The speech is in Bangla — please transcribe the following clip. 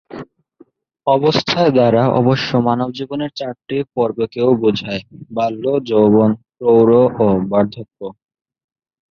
অবস্থা দ্বারা অবশ্য মানব জীবনের চারটি পর্বকেও বোঝায়: বাল্য, যৌবন, প্রৌঢ় ও বার্ধক্য।